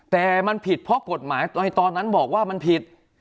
แต่มันผิดเพราะกฎหมายตอนนั้นบอกว่ามันผิด